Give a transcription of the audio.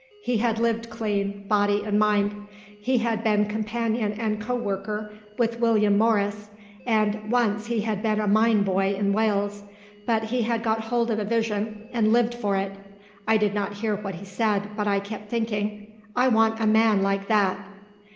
He had lived clean, body and mind. He had been companion and co worker with William Morris, and once he had been a mine boy in Wales, but he had got hold of a vision and lived for it. I did not hear what he said, but I kept thinking, 'I want a man like that.